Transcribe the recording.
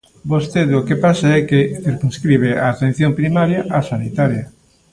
Vostede o que pasa é que circunscribe a atención primaria á sanitaria.